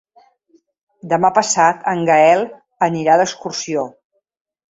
Demà passat en Gaël anirà d'excursió.